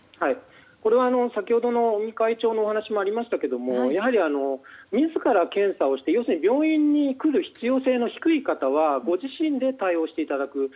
これは先ほどの尾身会長のお話にもありましたがやはり自ら検査をして病院に来る必要性の低い方はご自身で対応していただく。